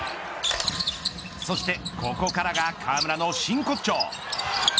そしてここからが河村の真骨頂。